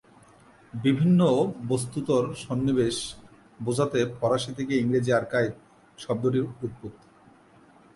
বিভিন্ন বস্ত্তর সন্নিবেশ বোঝাতে ফরাসি থেকে ইংরেজি ‘আর্কাইভ’ শব্দটির উৎপত্তি।